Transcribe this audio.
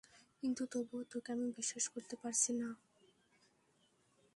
কিন্তু তবুও তোকে আমি বিশ্বাস করতে পারছি না।